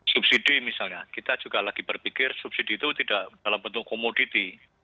subsidi misalnya kita juga lagi berpikir subsidi itu tidak dalam bentuk komoditi